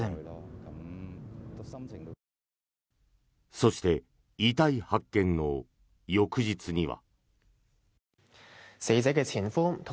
そして遺体発見の翌日には。